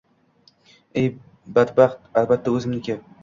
Ey, badbaxt, albatta o‘zimniki